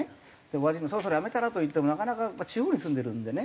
おやじに「そろそろやめたら？」と言ってもなかなか地方に住んでるんでね。